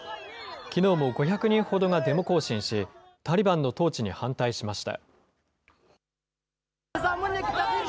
きのうも５００人ほどがデモ行進し、タリバンの統治に反対しました。